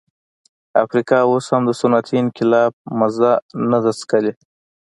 افریقا اوس هم د صنعتي انقلاب مزه نه ده څکلې.